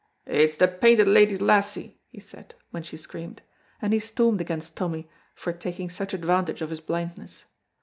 "It's the Painted Lady's lassie," he said when she screamed, and he stormed against Tommy for taking such advantage of his blindness.